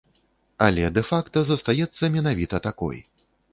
Але дэ-факта застаецца менавіта такой.